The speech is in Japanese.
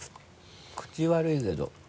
口悪いけど。